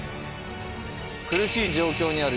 苦しい状況にある。